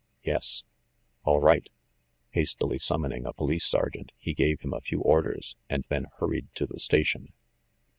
"Yes." "All right." Hastily summoning a police sergeant, he gave him a few orders, and then hurried to the station.